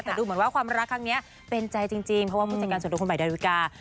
แต่ดูเหมือนว่าความรักครั้งนี้เป็นใจจริงเพราะว่าผู้จัดการส่วนตัวคุณใหม่ดาวิกา